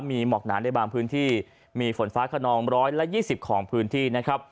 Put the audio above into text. มีหมอกหนานในบางพื้นที่มีฝนฟ้าขนองร้อยและยี่สิบของพื้นที่นะครับ